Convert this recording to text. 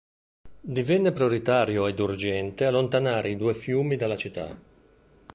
Divenne prioritario ed urgente allontanare i due fiumi dalla città.